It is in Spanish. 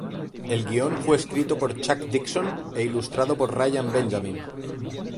El guion fue escrito por Chuck Dixon e ilustrado por Ryan Benjamin.